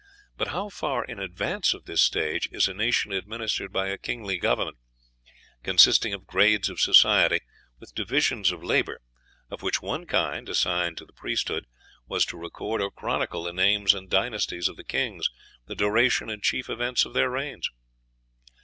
But how far in advance of this stage is a nation administered by a kingly government, consisting of grades of society, with divisions of labor, of which one kind, assigned to the priesthood, was to record or chronicle the names and dynasties of the kings, the duration and chief events of their reigns!"